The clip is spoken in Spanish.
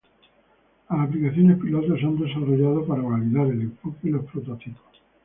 Las aplicaciones piloto se han desarrollado para validar el enfoque y los prototipos.